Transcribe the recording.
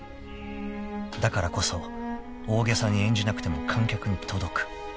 ［だからこそ大げさに演じなくても観客に届く］